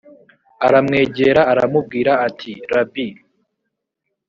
aramwegera aramubwira ati rabi